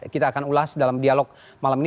kita akan ulas dalam dialog malam ini